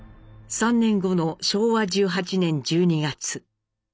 ３年後の昭和１８年１２月。